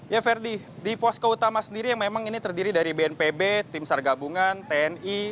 ya verdi di posko utama sendiri yang memang ini terdiri dari bnpb tim sargabungan tni